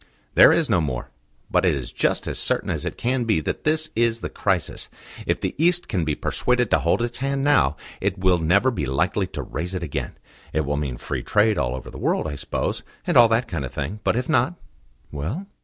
"There is no more. But it is just as certain as it can be that this is the crisis. If the East can be persuaded to hold its hand now, it will never be likely to raise it again. It will mean free trade all over the world, I suppose, and all that kind of thing. But if not " "Well?"